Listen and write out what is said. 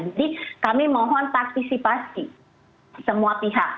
jadi kami mohon partisipasi semua pihak